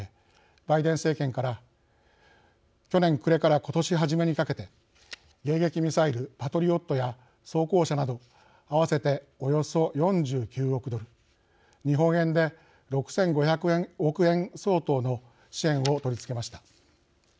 バイデン政権から去年暮れから今年初めにかけて迎撃ミサイル、パトリオットや装甲車など合わせておよそ４９億ドル、日本円で６５００億円相当の支援を取り付けました。